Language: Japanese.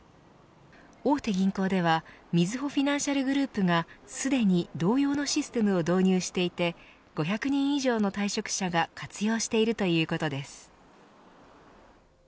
大手銀行ではみずほフィナンシャルグループがすでに同様のシステムを導入していて５００人以上の退職者が活用しているということです。